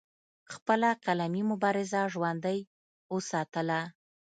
خپله قلمي مبارزه ژوندۍ اوساتله